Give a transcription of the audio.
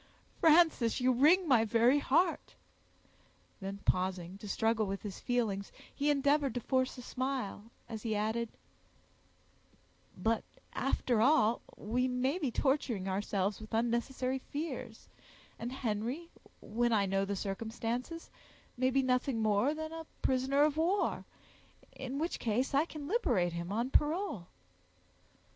"Frances, you wring my very heart!" Then pausing, to struggle with his feelings, he endeavored to force a smile, as he added, "But, after all, we may be torturing ourselves with unnecessary fears, and Henry, when I know the circumstances, may be nothing more than a prisoner of war; in which case, I can liberate him on parole."